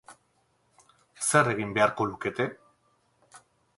Zer egin beharko lukete?